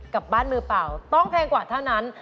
กับบ้านมือเปล่าต้องแพงกว่าเท่านั้น